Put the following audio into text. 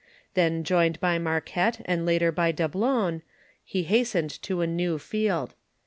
Then joined by Marquette and later by Dablon, he hastened to a new field.